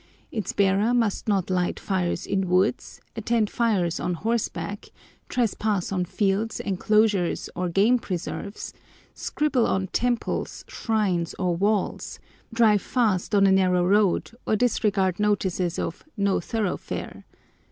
Its bearer must not light fires in woods, attend fires on horseback, trespass on fields, enclosures, or game preserves, scribble on temples, shrines, or walls, drive fast on a narrow road, or disregard notices of "No thoroughfare."